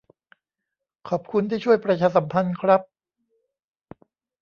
ขอบคุณที่ช่วยประชาสัมพันธ์ครับ